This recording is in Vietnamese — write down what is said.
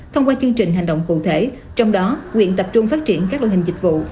thông qua chương trình hành động cụ thể trong đó nguyện tập trung phát triển các loại hình dịch vụ